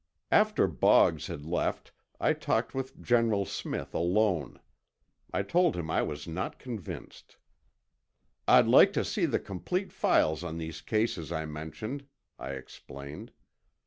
After Bogs had left, I talked with General Smith alone. I told him I was not convinced, "I'd like to see the complete files on these cases I mentioned," I explained.